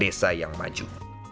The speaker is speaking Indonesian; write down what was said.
desa yang maju